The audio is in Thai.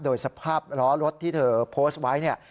โดยสภาพล้อรถที่เธอโพสต์ไว้เนี่ย